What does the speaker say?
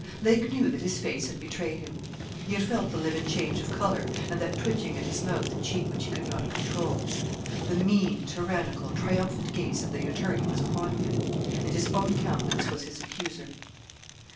Lake knew that his face had betrayed him. He had felt the livid change of colour, and that twitching at his mouth and cheek which he could not control. The mean, tyrannical, triumphant gaze of the attorney was upon him, and his own countenance was his accuser.